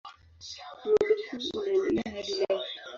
Muundo huu unaendelea hadi leo.